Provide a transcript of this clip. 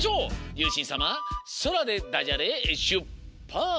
ゆうしんさま「そら」でダジャレしゅっぱつ！